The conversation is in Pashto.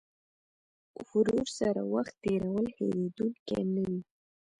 ورور سره وخت تېرول هېرېدونکی نه وي.